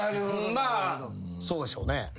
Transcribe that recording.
まあそうでしょうね。